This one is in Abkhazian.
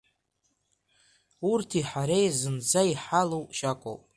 Урҭи ҳареи зынӡа иҳалоу шьакоуп.